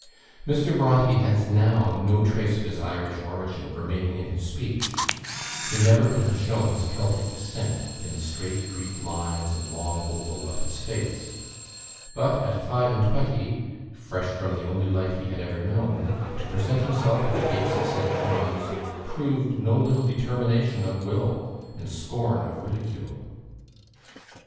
Mr. Bronte has now no trace of his Irish origin remaining in his speech; he never could have shown his Celtic descent in the straight Greek lines and long oval of his face; but at five and twenty, fresh from the only life he had ever known, to present himself at the gates of St. John's proved no little determination of will, and scorn of ridicule.